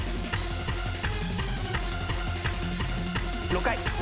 ６回。